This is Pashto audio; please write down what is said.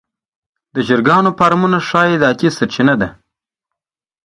د چرګانو فارمونه ښه عایداتي سرچینه ده.